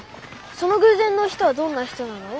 その偶然の人はどんな人なの？